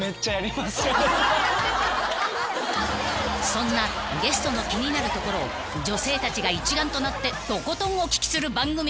［そんなゲストの気になるところを女性たちが一丸となってとことんお聞きする番組］